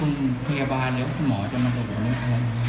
หรือว่าคุณหมอจะมาดูหรือเปล่า